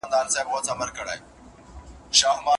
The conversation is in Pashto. هوښيار سړی په ناسم ځای کي نه پاته کېږي.